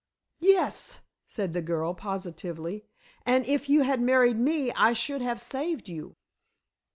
"Yes," said the girl positively. "And if you had married me I should have saved you."